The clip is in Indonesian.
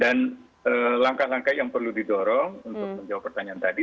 dan langkah langkah yang perlu didorong untuk menjawab pertanyaan tadi